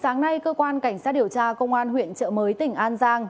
sáng nay cơ quan cảnh sát điều tra công an huyện trợ mới tỉnh an giang